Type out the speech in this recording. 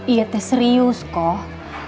iya teh serius kok